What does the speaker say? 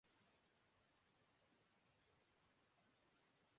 آزادی کی ایسی کیفیت کہ الیکشن سٹاف بھی ان کے پولنگ ایجنٹس کے